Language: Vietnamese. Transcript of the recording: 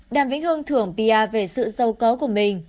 đàm vĩnh hương thưởng pr về sự dâu có của mình